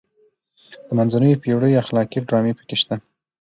د منځنیو پیړیو اخلاقي ډرامې پکې شته.